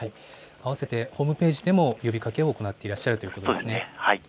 あわせてホームページでも呼びかけを行っているということですね。